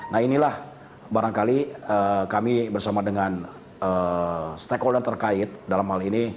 nah inilah barangkali kami bersama dengan stakeholder terkait dalam hal ini